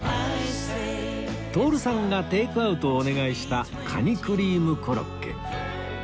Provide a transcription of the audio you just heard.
徹さんがテイクアウトをお願いしたカニクリームコロッケ